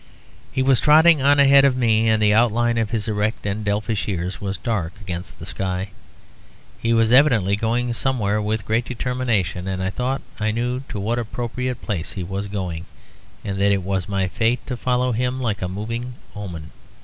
He was trotting on ahead of me, and the outline of his erect and elfish ears was dark against the sky. He was evidently going somewhere with great determination; and I thought I knew to what appropriate place he was going, and that it was my fate to follow him like a moving omen.